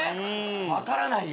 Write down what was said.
分からないよ。